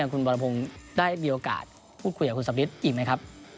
คุณวรพงศ์ได้มีโอกาสพูดคุยกับคุณสำริทอีกไหมครับ